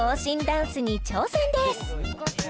ダンスに挑戦です！